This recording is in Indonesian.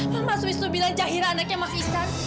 kenapa mas wisnu bilang cahira anaknya mak iksan